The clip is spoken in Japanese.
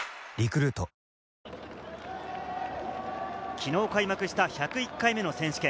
昨日開幕した１０１回目の選手権。